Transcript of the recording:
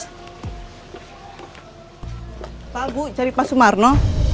pak bu cari pak sumarno